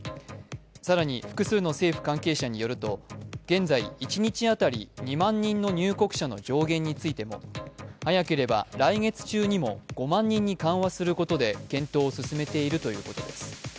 更に複数の政府関係者によると現在一日当たり２万人の入国者の上限についても早ければ来月中にも５万人に緩和することで検討を進めているということです。